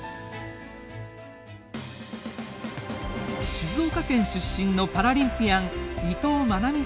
静岡県出身のパラリンピアン伊藤真波さんです。